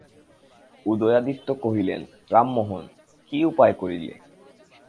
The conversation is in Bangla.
উদয়াদিত্য কহিলেন, রামমোহন, কী উপায় করিলে?